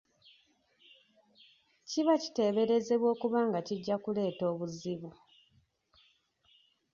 Kiba kiteeberezebwa okuba nga kijja kuleeta obuzibu.